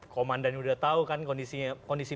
komandan udah tahu kan kondisi